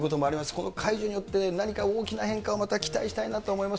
この解除によって何か大きな変化をまた期待したいなとは思います。